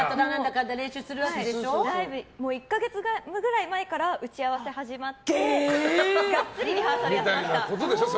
ライブ１か月前くらいから打ち合わせ始まって、ガッツリリハーサルやってました。